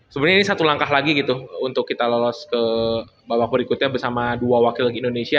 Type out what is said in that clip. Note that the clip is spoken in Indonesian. sebenarnya ini satu langkah lagi gitu untuk kita lolos ke babak berikutnya bersama dua wakil indonesia